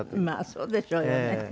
まあそうでしょうよね。